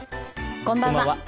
こんばんは。